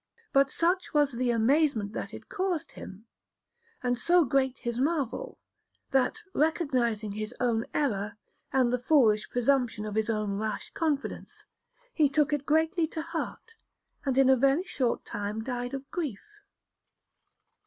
But such was the amazement that it caused him, and so great his marvel, that, recognizing his own error and the foolish presumption of his own rash confidence, he took it greatly to heart, and in a very short time died of grief.